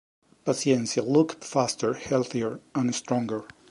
Pazienza looked faster, healthier and stronger.